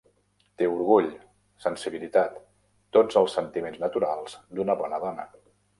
Té orgull, sensibilitat, tots els sentiments naturals d'una bona dona.